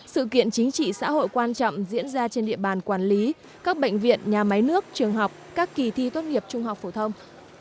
sự kiện chính trị xã hội quan trọng diễn ra trên địa bàn quản lý các bệnh viện nhà máy nước trường học các kỳ thi tốt nghiệp trung học phổ thông